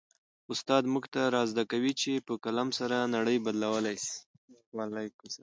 استاد موږ ته را زده کوي چي په قلم سره نړۍ بدلولای سي.